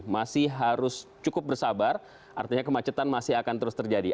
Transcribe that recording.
masih harus cukup bersabar artinya kemacetan masih akan terus terjadi